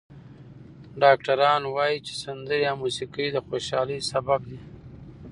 ډاکټران وايي چې سندرې او موسیقي د خوشحالۍ سبب دي.